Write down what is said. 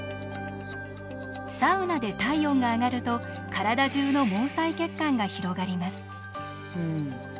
サウナで体温が上がると体中の毛細血管が広がります。